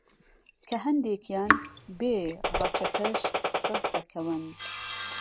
که ههندێکیان بێ رهچهتهش دهستدهکهون